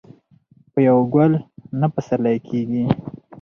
په یو ګل نه پسرلی کېږي